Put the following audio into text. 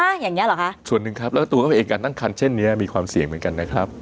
อย่างเงี้เหรอคะส่วนหนึ่งครับแล้วตัวเขาเองการตั้งคันเช่นเนี้ยมีความเสี่ยงเหมือนกันนะครับ